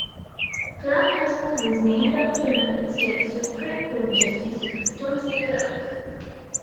Clark High School was named after United States Supreme Court Justice Tom C. Clark.